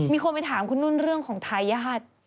มีคนไปถามคุณนุ่นเรื่องของทายาท